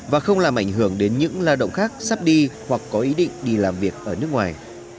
và không làm ảnh hưởng đến những lao động khác sắp đi hoặc có ý định đi làm việc ở nước ngoài